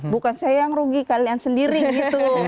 bukan saya yang rugi kalian sendiri gitu